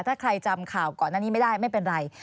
ถ้าใครจำข่าวก่อนหน้านี้ไม่ได้ไม่เป็นไร